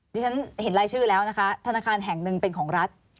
ที่ฉันเห็นรายชื่อแล้วนะคะธนาคารแห่งหนึ่งเป็นของรัฐ